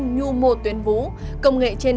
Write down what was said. ví dụ như là một buổi nó to lên ngay không